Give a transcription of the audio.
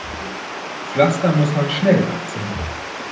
Pflaster muss man schnell abziehen.